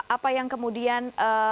apa yang kemudian